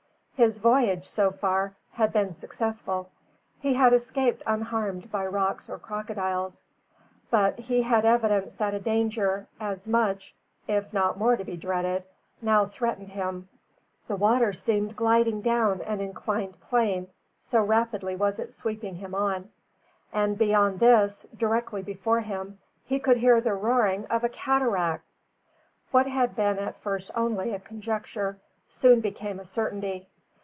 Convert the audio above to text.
His voyage, so far, had been successful. He had escaped unharmed by rocks or crocodiles; but he had evidence that a danger, as much, if not more to be dreaded, now threatened him. The water seemed gliding down an inclined plane, so rapidly was it sweeping him on; and beyond this, directly before him, he could hear the roaring of a cataract! What had been at first only a conjecture, soon became a certainty.